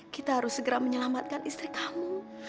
kita harus segera menyelamatkan istri kamu